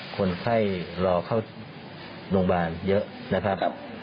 คนไข้รอเข้าโรงพยาบาลเยอะนะครับ